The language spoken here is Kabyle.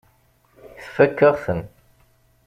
Tfakk-aɣ-ten.